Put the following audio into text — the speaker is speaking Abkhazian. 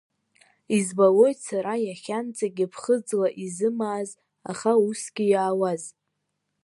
Избалоит сара иахьанӡагьы ԥхыӡла изымааз, аха усгьы иаауаз.